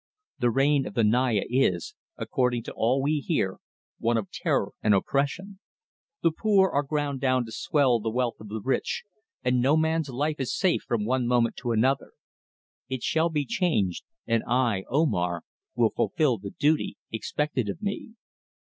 The reign of the Naya is, according to all we hear, one of terror and oppression. The poor are ground down to swell the wealth of the rich, and no man's life is safe from one moment to another. It shall be changed, and I, Omar, will fulfil the duty expected of me."